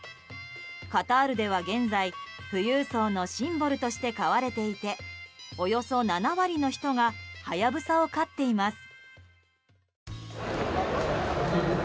カタールでは現在、富裕層のシンボルとして飼われていておよそ７割の人がハヤブサを飼っています。